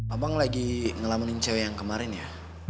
abang lagi ngelamin cewek yang kemarin ya